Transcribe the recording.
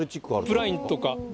ジップラインとか。